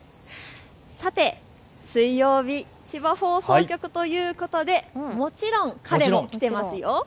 さて水曜日、千葉放送局ということでもちろん彼も来ていますよ。